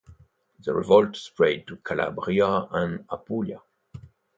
The revolt spread to Calabria and Apulia.